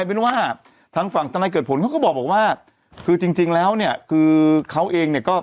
เป็นว่าทางฝั่งธนายเกิดผลเขาก็บอกว่าคือจริงจริงแล้วเนี่ยคือเขาเองเนี่ยก็